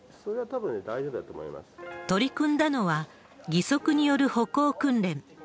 取り組んだのは、義足による歩行訓練。